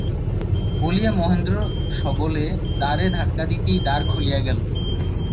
বলিয়া মহেন্দ্র সবলে দ্বারে ধাক্কা দিতেই দ্বার খুলিয়া গেল।